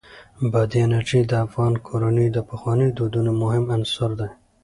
بادي انرژي د افغان کورنیو د پخوانیو دودونو مهم عنصر دی.